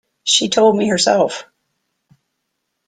She told me herself.